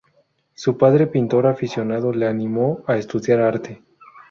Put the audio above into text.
Su padre, pintor aficionado, le animó a estudiar arte.